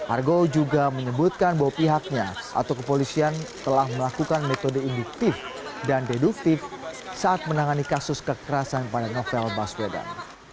argo juga menyebutkan bahwa pihaknya atau kepolisian telah melakukan metode induktif dan deduktif saat menangani kasus kekerasan pada novel baswedan